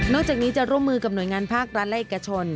จากนี้จะร่วมมือกับหน่วยงานภาครัฐและเอกชน